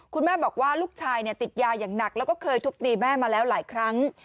คุณแม่บอกว่าลูกชายติดยาอย่างหนักแล้วก็เคยทุบตีแม่มาแล้วหลายครั้ง